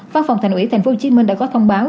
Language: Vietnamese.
văn phòng thành ủy tp hcm đã có thông báo